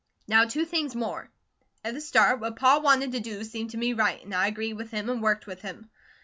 "Now two things more. At the start, what Pa wanted to do seemed to me right, and I agreed with him and worked with him.